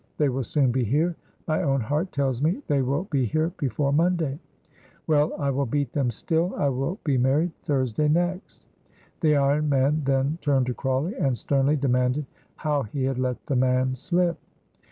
They will soon be here. My own heart tells me they will be here before Monday. Well, I will beat them still. I will be married Thursday next." The iron man then turned to Crawley, and sternly demanded how he had let the man slip.